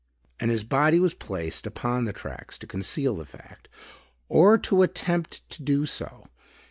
And his body was placed upon the tracks to conceal the fact; or to attempt to do so.